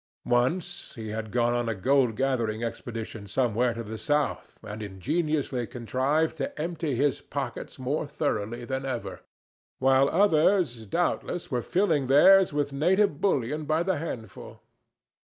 Once he had gone on a gold gathering expedition somewhere to the South, and ingeniously contrived to empty his pockets more thoroughly than ever, while others, doubtless, were filling theirs with native bullion by the handful.